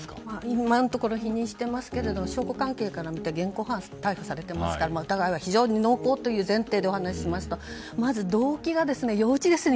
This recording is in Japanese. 今のところ否認していますけど証拠関係から見て現行犯逮捕されてますから疑いは濃厚という点でお話ししますとまず、動機が幼稚ですね。